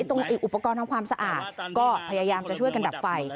อุปกรณ์ทำความสะอาดก็พยายามจะช่วยกันดับไฟ